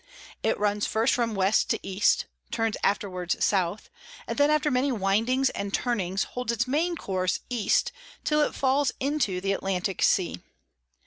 It runs first from West to East, turns afterwards South; and then after many Windings and Turnings holds its main Course East, till it falls into the Atlantick Sea.